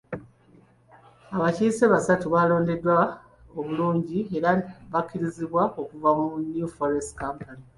Abakiise basatu abalondeddwa obulungi era abakkirizibwa okuva mu New Forests Company.